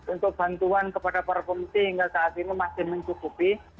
untuk bantuan kepada para pengungsi hingga saat ini masih mencukupi